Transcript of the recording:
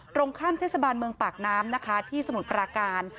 ตรงข้ามเทศบาลเมืองปากน้ำนะคะที่สมุทรปราการ